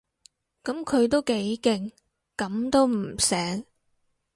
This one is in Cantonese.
噉佢都幾勁，噉都唔醒